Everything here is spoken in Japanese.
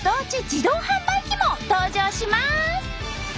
自動販売機も登場します！